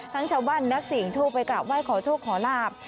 ชาวบ้านนักเสียงโชคไปกราบไหว้ขอโชคขอลาบ